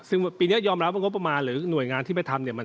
ซึ่งปีนี้ยอมรับว่างบประมาณหรือหน่วยงานที่ไปทำเนี่ย